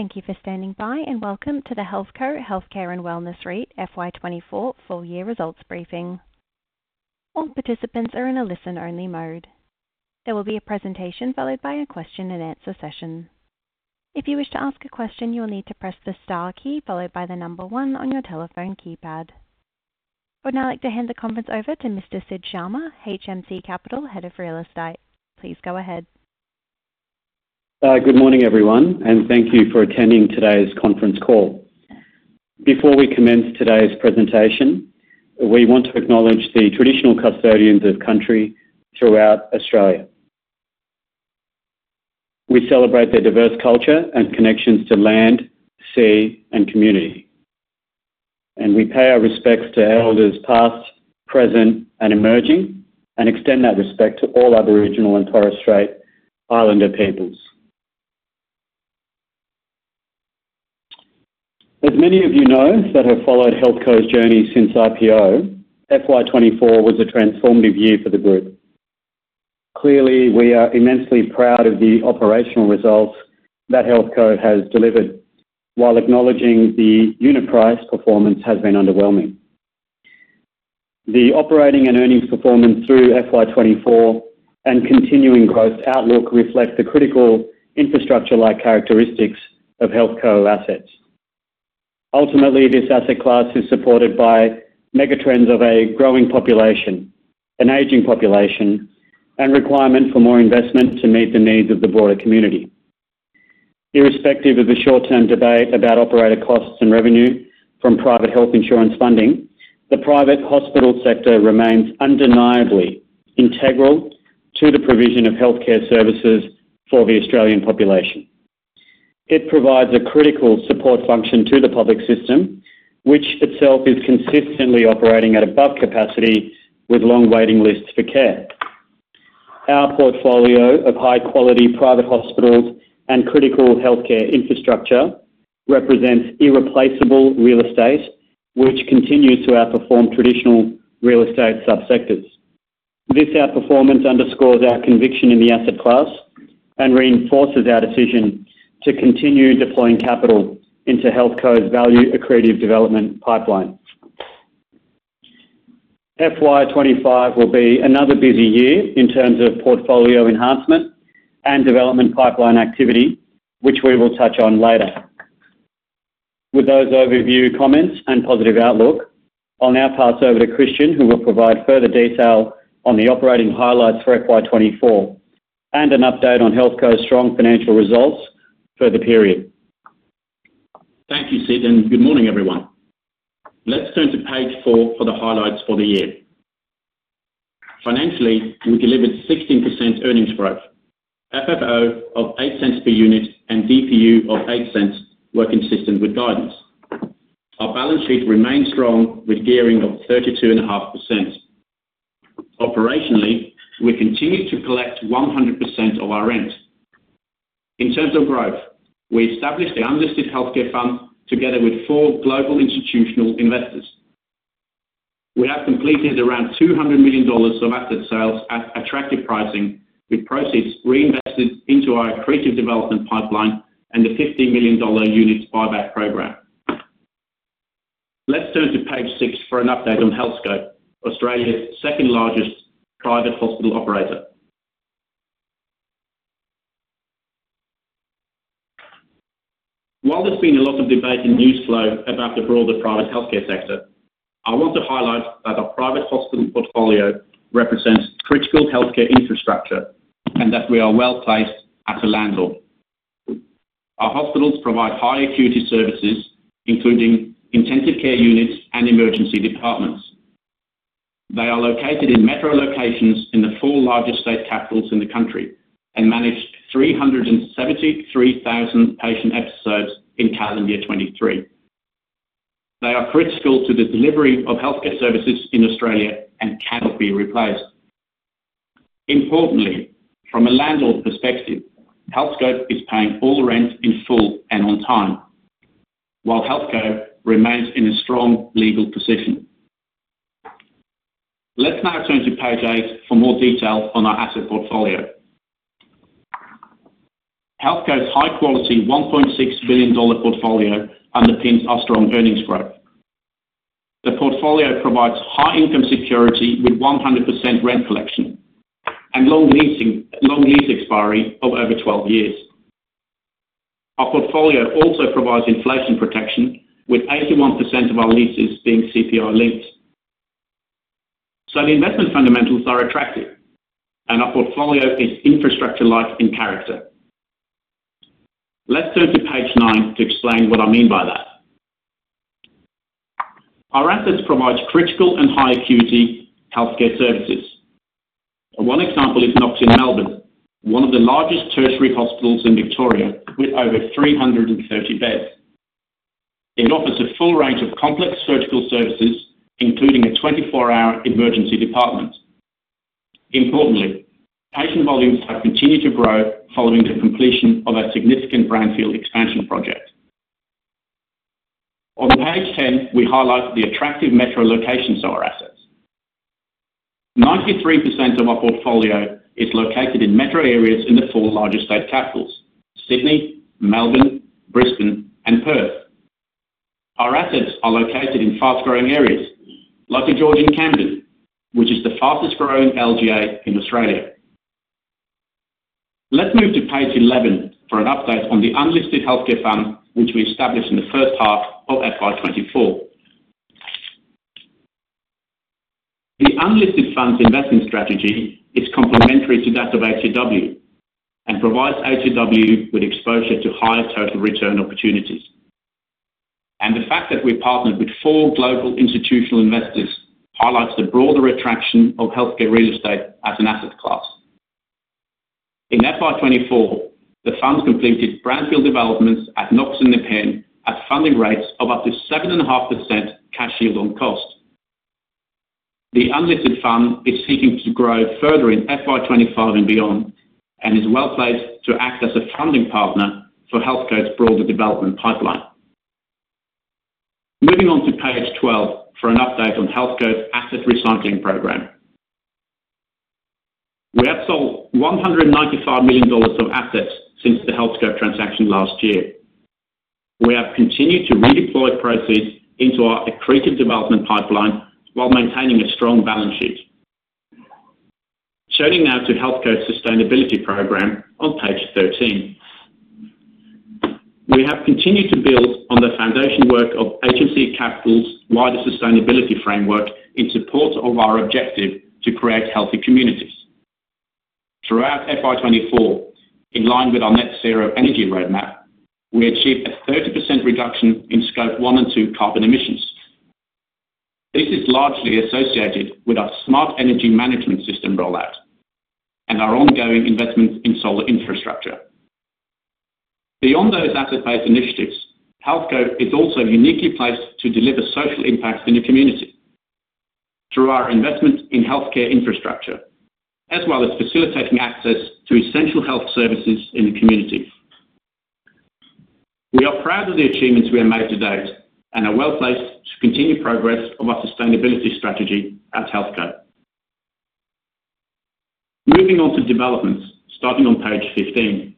Thank you for standing by, and welcome to the HealthCo Healthcare & Wellness REIT FY 2024 full year results briefing. All participants are in a listen-only mode. There will be a presentation, followed by a question-and-answer session. If you wish to ask a question, you will need to press the star key followed by the number one on your telephone keypad. I would now like to hand the conference over to Mr. Sid Sharma, HMC Capital, Head of Real Estate. Please go ahead. Good morning, everyone, and thank you for attending today's conference call. Before we commence today's presentation, we want to acknowledge the traditional custodians of country throughout Australia. We celebrate their diverse culture and connections to land, sea, and community, and we pay our respects to elders, past, present, and emerging, and extend that respect to all other Aboriginal and Torres Strait Islander peoples. As many of you know, that have followed HealthCo's journey since IPO, FY 2024 was a transformative year for the group. Clearly, we are immensely proud of the operational results that HealthCo has delivered, while acknowledging the unit price performance has been underwhelming. The operating and earnings performance through FY 2024 and continuing growth outlook reflect the critical infrastructure-like characteristics of HealthCo assets. Ultimately, this asset class is supported by megatrends of a growing population, an aging population, and requirement for more investment to meet the needs of the broader community. Irrespective of the short-term debate about operator costs and revenue from private health insurance funding, the private hospital sector remains undeniably integral to the provision of healthcare services for the Australian population. It provides a critical support function to the public system, which itself is consistently operating at above capacity with long waiting lists for care. Our portfolio of high-quality private hospitals and critical healthcare infrastructure represents irreplaceable real estate, which continues to outperform traditional real estate subsectors. This outperformance underscores our conviction in the asset class and reinforces our decision to continue deploying capital into HealthCo's value accretive development pipeline. FY 2025 will be another busy year in terms of portfolio enhancement and development pipeline activity, which we will touch on later. With those overview, comments, and positive outlook, I'll now pass over to Christian, who will provide further detail on the operating highlights for FY 2024, and an update on HealthCo's strong financial results for the period. Thank you, Sid, and good morning, everyone. Let's turn to page four for the highlights for the year. Financially, we delivered 16% earnings growth, FFO of 8 cents per unit, and DPU of 8 cents were consistent with guidance. Our balance sheet remains strong, with gearing of 32.5%. Operationally, we continued to collect 100% of our rent. In terms of growth, we established the Unlisted Healthcare Fund together with 4 global institutional investors. We have completed around 200 million dollars of asset sales at attractive pricing, with proceeds reinvested into our accretive development pipeline and the 50 million dollar units buyback program. Let's turn to page 6 for an update on Healthscope, Australia's second-largest private hospital operator. While there's been a lot of debate and news flow about the broader private healthcare sector, I want to highlight that our private hospital portfolio represents critical healthcare infrastructure and that we are well-placed as a landlord. Our hospitals provide high-acuity services, including intensive care units and emergency departments. They are located in metro locations in the four largest state capitals in the country and managed 373,000 patient episodes in calendar year 2023. They are critical to the delivery of healthcare services in Australia and cannot be replaced. Importantly, from a landlord perspective, Healthscope is paying all rent in full and on time, while HealthCo remains in a strong legal position. Let's now turn to page eight for more detail on our asset portfolio. HealthCo's high-quality AUD 1.6 billion portfolio underpins our strong earnings growth. The portfolio provides high income security with 100% rent collection and long leasing—long lease expiry of over 12 years. Our portfolio also provides inflation protection, with 81% of our leases being CPI linked. So the investment fundamentals are attractive and our portfolio is infrastructure-like in character. Let's turn to page nine to explain what I mean by that. Our assets provide critical and high-acuity healthcare services. One example is Knox in Melbourne, one of the largest tertiary hospitals in Victoria, with over 330 beds. It offers a full range of complex surgical services, including a 24-hour emergency department. Importantly, patient volumes have continued to grow following the completion of our significant brownfield expansion project. On page 10, we highlight the attractive metro locations of our assets. 93% of our portfolio is located in metro areas in the four largest state capitals: Sydney, Melbourne, Brisbane, and Perth. Our assets are located in fast-growing areas, like The George in Camden, which is the fastest growing LGA in Australia. Let's move to page 11 for an update on the unlisted healthcare fund, which we established in the first half of FY 2024. The unlisted fund's investing strategy is complementary to that of HCW, and provides HCW with exposure to higher total return opportunities. The fact that we partnered with four global institutional investors highlights the broader attraction of healthcare real estate as an asset class. In FY 2024, the fund completed brownfield developments at Knox and Nepean at funding rates of up to 7.5% cash yield on cost. The Unlisted Healthcare Fund is seeking to grow further in FY 2025 and beyond, and is well-placed to act as a funding partner for HealthCo's broader development pipeline. Moving on to page 12 for an update on HealthCo's asset recycling program. We have sold 195 million dollars of assets since the Healthscope transaction last year. We have continued to redeploy proceeds into our accretive development pipeline while maintaining a strong balance sheet. Turning now to HealthCo's sustainability program on page 13. We have continued to build on the foundation work of HMC Capital's wider sustainability framework in support of our objective to create healthy communities. Throughout FY 2024, in line with our Net Zero Energy Roadmap, we achieved a 30% reduction in Scope 1 and 2 carbon emissions. This is largely associated with our smart energy management system rollout and our ongoing investment in solar infrastructure. Beyond those asset-based initiatives, HealthCo is also uniquely placed to deliver social impact in the community through our investment in healthcare infrastructure, as well as facilitating access to essential health services in the community. We are proud of the achievements we have made to date, and are well-placed to continue progress on our sustainability strategy at HealthCo. Moving on to developments, starting on page 15.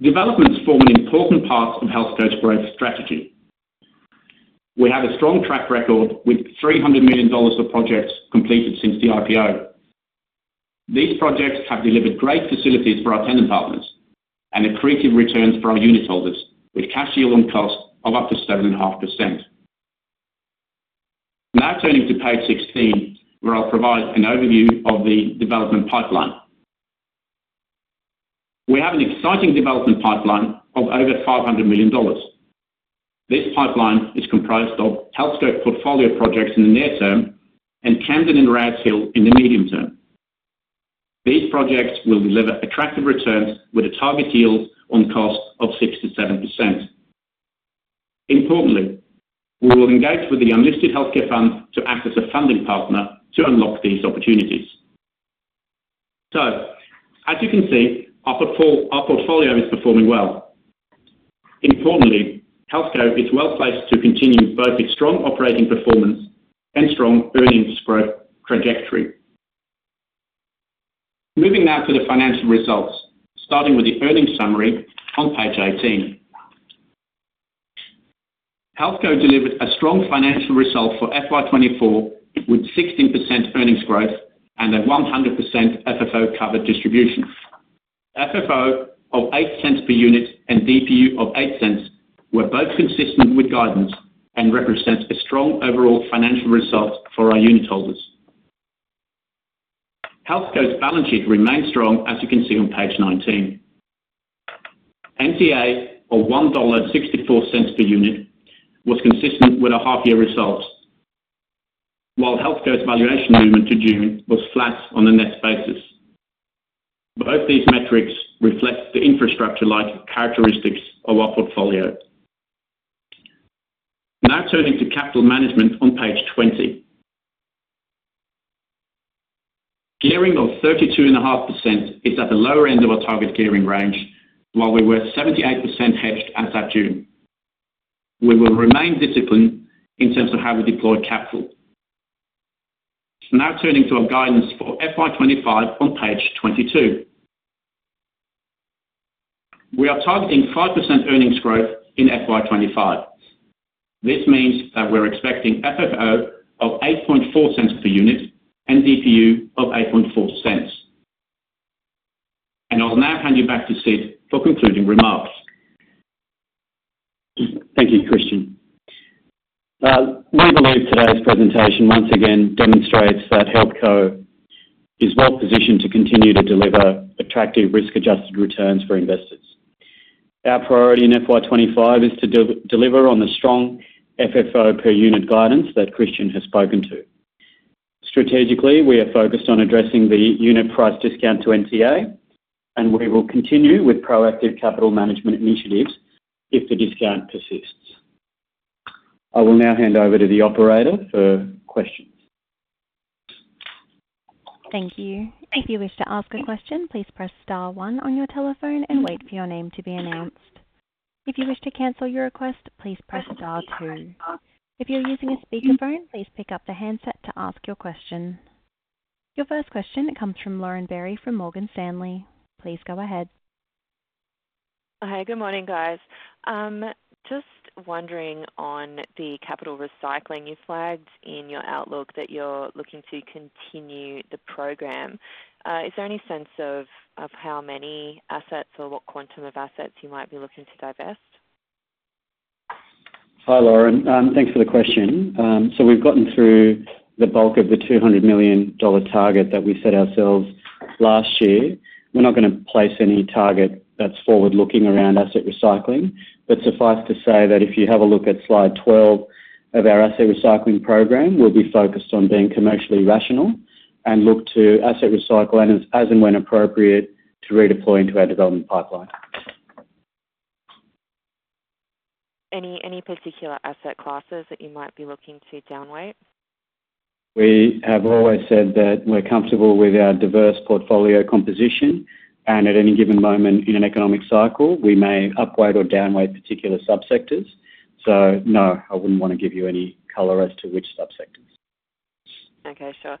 Developments form an important part of HealthCo's growth strategy. We have a strong track record with 300 million dollars of projects completed since the IPO. These projects have delivered great facilities for our tenant partners and accretive returns for our unitholders with cash yield on cost of up to 7.5%. Now turning to page 16, where I'll provide an overview of the development pipeline. We have an exciting development pipeline of over 500 million dollars. This pipeline is comprised of HealthCo portfolio projects in the near term, and Camden and Rouse Hill in the medium term. These projects will deliver attractive returns with a target yield on cost of 6%-7%. Importantly, we will engage with the Unlisted Healthcare Fund to act as a funding partner to unlock these opportunities. So as you can see, our portfolio is performing well. Importantly, HealthCo is well placed to continue both its strong operating performance and strong earnings growth trajectory. Moving now to the financial results, starting with the earnings summary on page 18. HealthCo delivered a strong financial result for FY 2024, with 16% earnings growth and a 100% FFO covered distribution. FFO of 0.08 per unit and DPU of 0.08 were both consistent with guidance, and represents a strong overall financial result for our unitholders. HealthCo's balance sheet remains strong, as you can see on page 19. NTA of 1.64 per unit was consistent with the half year results, while HealthCo's valuation movement to June was flat on the net basis. Both these metrics reflect the infrastructure-like characteristics of our portfolio. Now, turning to capital management on page 20. Gearing of 32.5% is at the lower end of our target gearing range, while we were 78% hedged as at June. We will remain disciplined in terms of how we deploy capital. So now, turning to our guidance for FY 2025 on page 22. We are targeting 5% earnings growth in FY 2025. This means that we're expecting FFO of 0.084 per unit and DPU of 0.084. I'll now hand you back to Sid for concluding remarks. Thank you, Christian. We believe today's presentation once again demonstrates that HealthCo is well positioned to continue to deliver attractive risk-adjusted returns for investors. Our priority in FY 2025 is to deliver on the strong FFO per unit guidance that Christian has spoken to. Strategically, we are focused on addressing the unit price discount to NTA, and we will continue with proactive capital management initiatives if the discount persists. I will now hand over to the operator for questions. Thank you. If you wish to ask a question, please press star one on your telephone and wait for your name to be announced. If you wish to cancel your request, please press star two. If you're using a speakerphone, please pick up the handset to ask your question. Your first question comes from Lauren Berry, from Morgan Stanley. Please go ahead. Hi, good morning, guys. Just wondering on the capital recycling you flagged in your outlook that you're looking to continue the program. Is there any sense of how many assets or what quantum of assets you might be looking to divest? Hi, Lauren. Thanks for the question. So we've gotten through the bulk of the 200 million dollar target that we set ourselves last year. We're not gonna place any target that's forward-looking around asset recycling. But suffice to say that if you have a look at slide 12 of our asset recycling program, we'll be focused on being commercially rational and look to asset recycle and as, as and when appropriate, to redeploy into our development pipeline. Any particular asset classes that you might be looking to downweight? We have always said that we're comfortable with our diverse portfolio composition, and at any given moment in an economic cycle, we may upweight or downweight particular subsectors. So no, I wouldn't want to give you any color as to which subsectors. Okay, sure.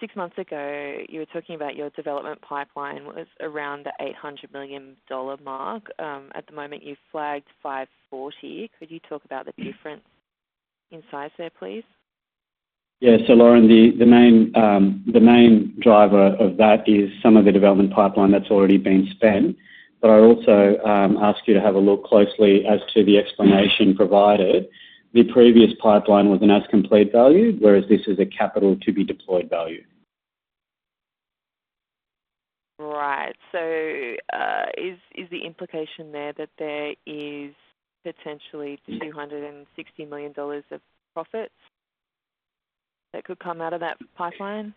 Six months ago, you were talking about your development pipeline was around the 800 million dollar mark. At the moment, you've flagged 540 million. Could you talk about the difference in size there, please? Yeah. So Lauren, the main driver of that is some of the development pipeline that's already been spent. But I'd also ask you to have a look closely as to the explanation provided. The previous pipeline was an as-complete value, whereas this is a capital to-be-deployed value. Right. So, is the implication there that there is potentially 260 million dollars of profits that could come out of that pipeline?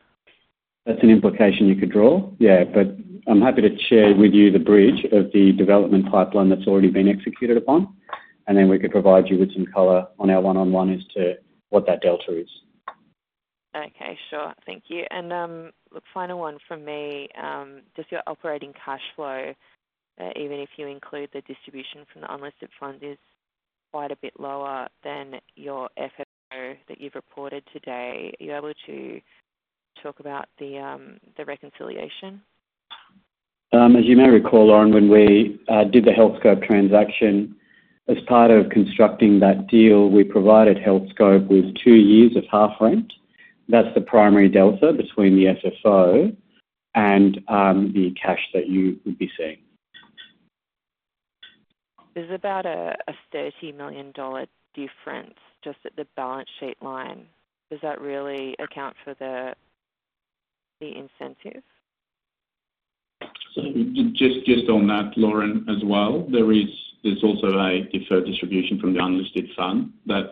That's an implication you could draw. Yeah, but I'm happy to share with you the bridge of the development pipeline that's already been executed upon, and then we could provide you with some color on our one-on-one as to what that delta is. Okay, sure. Thank you. And, final one from me. Just your operating cashflow, even if you include the distribution from the unlisted fund, is quite a bit lower than your FFO that you've reported today. Are you able to talk about the reconciliation? As you may recall, Lauren, when we did the Healthscope transaction, as part of constructing that deal, we provided Healthscope with two years of half rent. That's the primary delta between the FFO and the cash that you would be seeing. There's about a 30 million dollar difference just at the balance sheet line. Does that really account for the incentive? Just on that, Lauren, as well, there is, there's also a deferred distribution from the unlisted fund that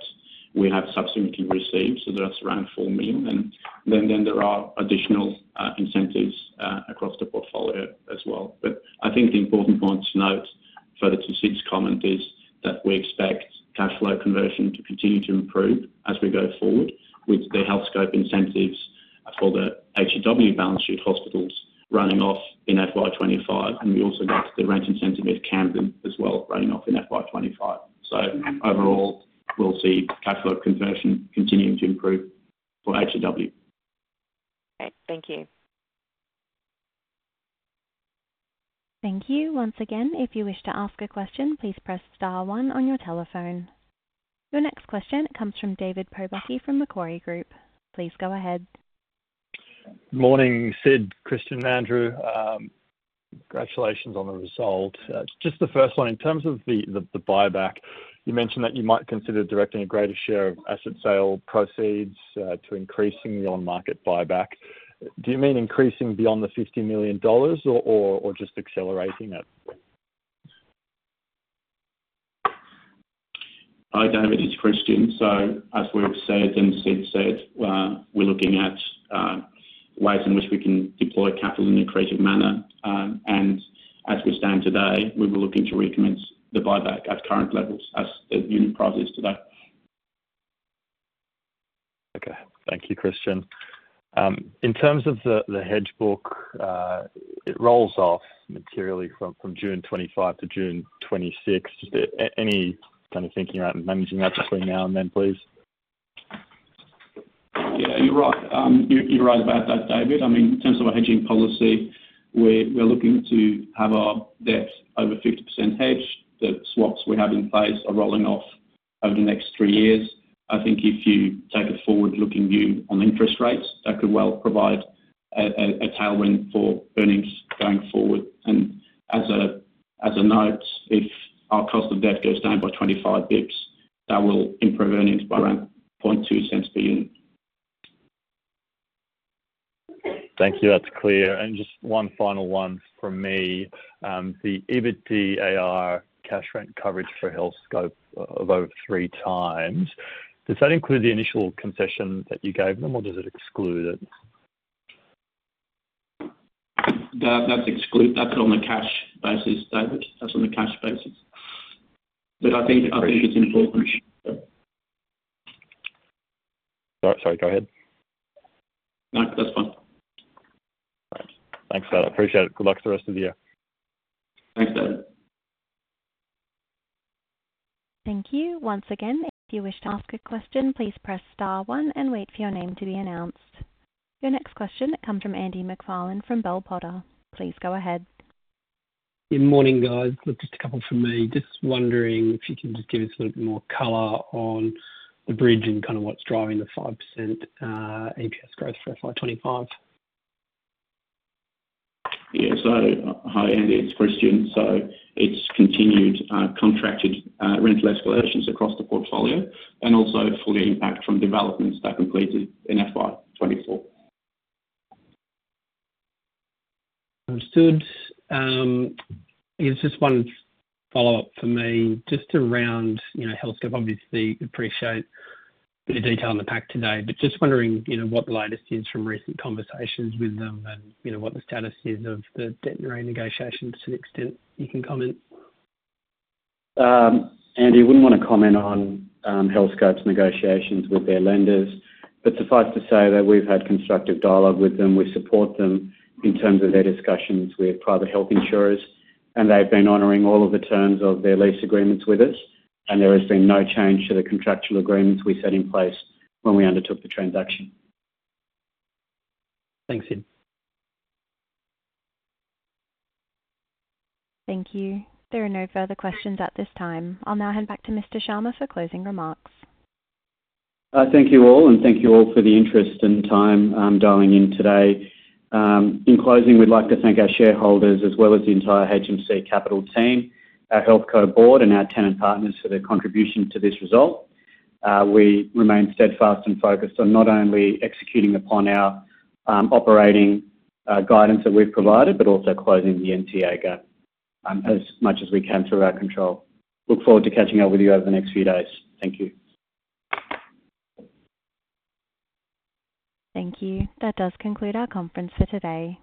we have subsequently received, so that's around 4 million. And then there are additional incentives across the portfolio as well. But I think the important point to note further to Sid's comment is that we expect cashflow conversion to continue to improve as we go forward with the Healthscope incentives for the HCW balance sheet hospitals running off in FY 2025, and we also got the rent incentive with Camden as well, running off in FY 2025. So overall, we'll see cashflow conversion continuing to improve for HCW. Great. Thank you. Thank you. Once again, if you wish to ask a question, please press star one on your telephone. Your next question comes from David Pobucky from Macquarie Group. Please go ahead. Morning, Sid, Christian, Andrew. Congratulations on the result. Just the first one, in terms of the buyback, you mentioned that you might consider directing a greater share of asset sale proceeds to increasing the on-market buyback. Do you mean increasing beyond the 50 million dollars or just accelerating it? Hi, David, it's Christian. So as we've said and Sid said, we're looking at ways in which we can deploy capital in an accretive manner. And as we stand today, we were looking to recommence the buyback at current levels as unit price is today. Okay. Thank you, Christian. In terms of the hedge book, it rolls off materially from June 2025 to June 2026. Is there any kind of thinking about managing that between now and then, please? Yeah, you're right. You're right about that, David. I mean, in terms of our hedging policy, we're looking to have our debt over 50% hedged. The swaps we have in place are rolling off over the next three years. I think if you take a forward-looking view on interest rates, that could well provide a tailwind for earnings going forward. And as a note, if our cost of debt goes down by 25 basis points, that will improve earnings by around 0.002 per unit. Thank you. That's clear. Just one final one from me. The EBITDA cash rent coverage for Healthscope of over three times, does that include the initial concession that you gave them, or does it exclude it? That's on a cash basis, David. That's on a cash basis. But I think, I think it's important. Sorry, sorry, go ahead. No, that's fine. All right. Thanks, Sid. I appreciate it. Good luck for the rest of the year. Thanks, David. Thank you. Once again, if you wish to ask a question, please press star one and wait for your name to be announced. Your next question comes from Andy MacFarlane from Bell Potter. Please go ahead. Good morning, guys. Look, just a couple from me. Just wondering if you can just give us a little bit more color on the bridge and kind of what's driving the 5% EPS growth for FY 2025. Yeah, so hi, Andy, it's Christian. So it's continued, contracted, rental escalations across the portfolio and also full impact from developments that completed in FY 2024. Understood. I guess just one follow-up for me, just around, you know, Healthscope, obviously appreciate the detail in the pack today, but just wondering, you know, what the latest is from recent conversations with them and, you know, what the status is of the debt renegotiation, to the extent you can comment. Andy, wouldn't want to comment on Healthscope's negotiations with their lenders, but suffice to say that we've had constructive dialogue with them. We support them in terms of their discussions with private health insurers, and they've been honoring all of the terms of their lease agreements with us, and there has been no change to the contractual agreements we set in place when we undertook the transaction. Thanks, Sid. Thank you. There are no further questions at this time. I'll now hand back to Mr. Sharma for closing remarks. Thank you all, and thank you all for the interest and time, dialing in today. In closing, we'd like to thank our shareholders, as well as the entire HMC Capital team, our HealthCo board, and our tenant partners for their contribution to this result. We remain steadfast and focused on not only executing upon our, operating, guidance that we've provided, but also closing the NTA gap, as much as we can through our control. Look forward to catching up with you over the next few days. Thank you. Thank you. That does conclude our conference for today.